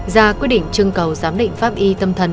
ra quyết định trưng cầu giám định pháp y tâm thần